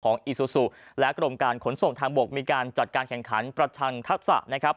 อีซูซูและกรมการขนส่งทางบกมีการจัดการแข่งขันประชังทักษะนะครับ